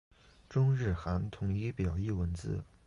中日韩统一表意文字。